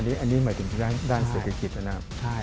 อันนี้หมายถึงด้านเศรษฐกิจนะครับ